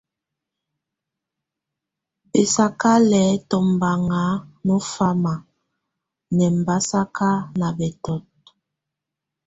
Bɛsakalɛ́ tombanŋa nɔ fáma nʼɛmbasaka na bɛtɔ́t.